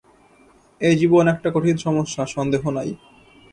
এই জীবন একটা কঠিন সমস্যা, সন্দেহ নাই।